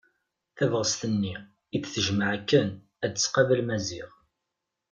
Tabɣest-nni i d-tejmeɛ akken ad tqabel Maziɣ.